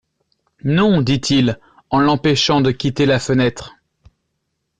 Non, dit-il, en l'empêchant de quitter la fenêtre.